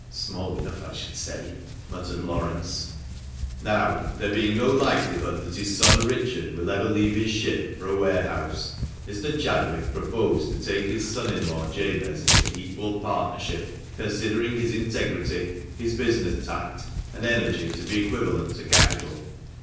(" Small enough, I should say," muttered Laurence.) " Now, there being no likelihood that his son Richard will ever leave his ship for a warehouse, Mr. Chadwick proposed to take his son in law Jabez into equal partnership, considering his integrity, his business tact, and energy to be equivalent to capital."